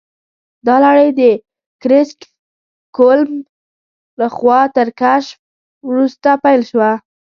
دا لړۍ د کریسټف کولمب لخوا تر کشف وروسته پیل شوه.